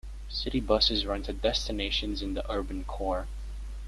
City buses run to destinations in the urban core.